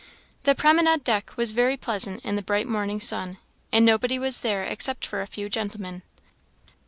The promenade deck was very pleasant in the bright morning sun: and nobody was there except a few gentlemen.